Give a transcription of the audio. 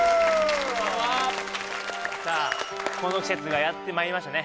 さあこの季節がやってまいりましたね